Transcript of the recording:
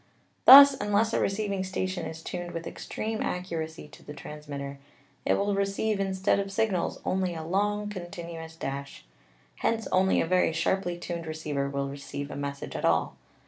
Thus, unless a receiving station is tuned with extreme accuracy to the transmitter, it will receive, instead of signals, only a long, continuous dash; hence only a very sharply tuned receiver will receive a mes > sage at all.